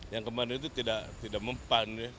yang kemarin itu tidak mempan ya